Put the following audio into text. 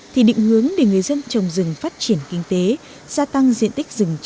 thì định hướng để người dân trồng rừng phát triển kinh tế gia tăng diện tích rừng che phủ